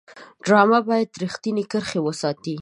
ډرامه باید رښتینې کرښې وساتي